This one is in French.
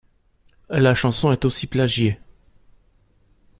La chanson est aussi plagiée.